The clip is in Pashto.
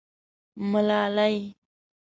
_ملالۍ.